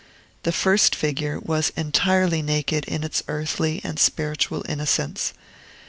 The first figure was entirely naked in its earthly and spiritual innocence.